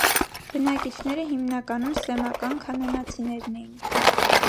Բնակիչները հիմնականում սեմական քանանացիներն էին։